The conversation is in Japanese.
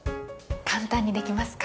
簡単にできますか？